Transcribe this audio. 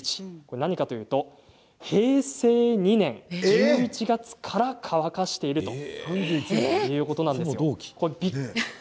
何かというと平成２年１１月から乾かしているということなんです。